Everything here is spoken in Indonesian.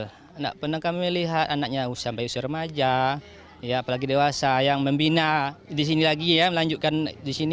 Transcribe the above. tidak pernah kami lihat anaknya sampai usia remaja apalagi dewasa yang membina di sini lagi ya melanjutkan di sini